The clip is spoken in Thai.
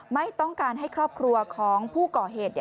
ไม่ต้องการให้ครอบครัวของผู้ก่อเหตุ